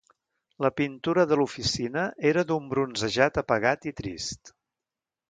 La pintura de l'oficina era d'un bronzejat apagat i trist.